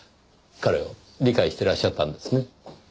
彼を理解してらっしゃったんですね。